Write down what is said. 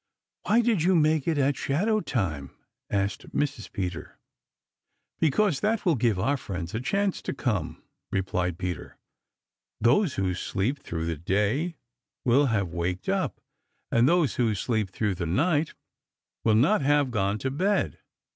"Why did you make it at shadow time?" asked Mrs. Peter. "Because that will give all our friends a chance to come," replied Peter. "Those who sleep through the day will have waked up, and those who sleep through the night will not have gone to bed.